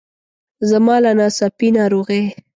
زما له ناڅاپي ناروغۍ.